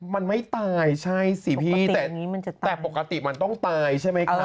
มันไม่ตายใช่สิพี่แต่ปกติมันต้องตายใช่ไหมคะ